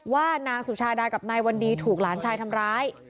ว่านางสุชาดากับนายวันดีถูกหลานชายทำร้าย